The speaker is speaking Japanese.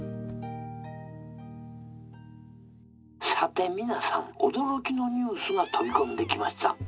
「さて皆さん驚きのニュースが飛び込んできました」。